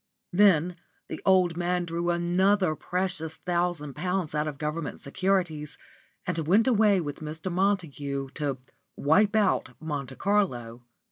Then the old man drew another precious thousand pounds out of Government securities, and went away with Mr. Montague to wipe out Monte Carlo.